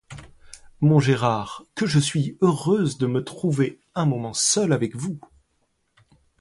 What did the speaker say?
Mon Gérard, que je suis heureuse de me trouver un moment seule avec vous!